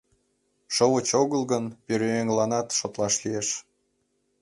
Шовыч огыл гын, пӧръеҥланат шотлаш лиеш.